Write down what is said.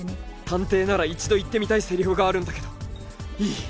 探偵なら一度言ってみたいセリフがあるんだけどいい？